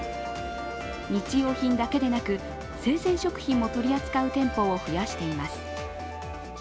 日用品だけでなく、生鮮食品も取り扱う店舗を増やしています。